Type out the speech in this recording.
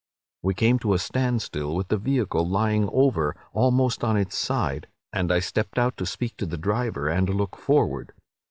We came to a standstill, with the vehicle lying over almost on its side; and I stepped out to speak to the driver and look forward.